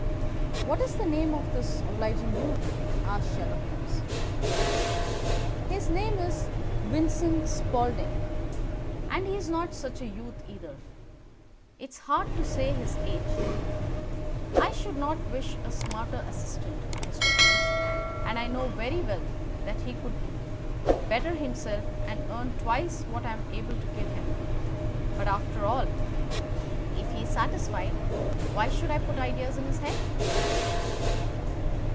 "What is the name of this obliging youth?" asked Sherlock Holmes. "His name is Vincent Spaulding, and he's not such a youth, either. It's hard to say his age. I should not wish a smarter assistant, Mr. Holmes; and I know very well that he could better himself and earn twice what I am able to give him. But, after all, if he is satisfied, why should I put ideas in his head?"